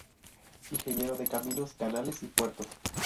Ingeniero de Caminos, Canales y Puertos.